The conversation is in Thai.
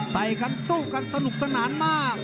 ใส่กันสู้กันสนุกสนานมาก